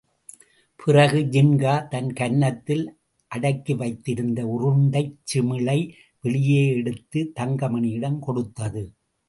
பிறகு, ஜின்கா தன் கன்னத்தில் அடக்கிவைத்திருந்த உருண்டைச் சிமிழை வெளியே எடுத்து, தங்கமணியிடம் கொடுத்தது.